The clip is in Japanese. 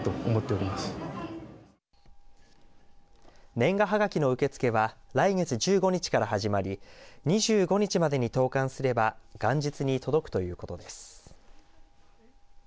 年賀はがきの受け付けは来月１５日から始まり２５日までに投かんすれば元日に届くということです。